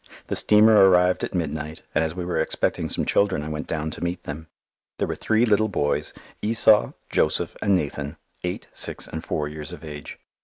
The steamer arrived at midnight, and as we were expecting some children I went down to meet them. There were three little boys, Esau, Joseph, and Nathan, eight, six, and four years of age.